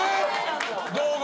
動画？